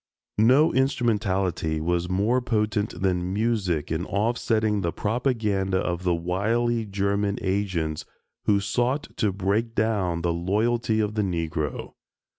No instrumentality was more potent than music in off setting the propaganda of the wily German agents, who sought to break down the loyalty of the Negro.